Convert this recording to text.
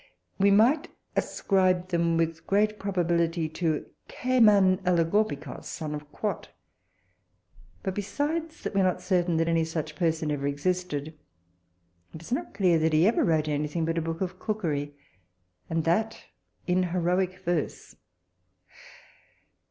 We might ascribe them with great probability to Kemanrlegorpikos, son of Quat; but besides that we are not certain that any such person ever existed, it is not clear that he ever wrote any thing but a book of cookery, and that in heroic verse.